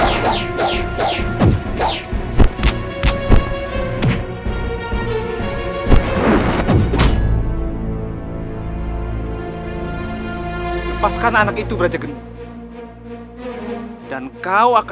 supaya aku fahli danku bertahanana